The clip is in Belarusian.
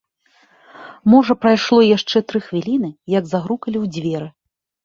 Можа прайшло яшчэ тры хвіліны, як загрукалі ў дзверы.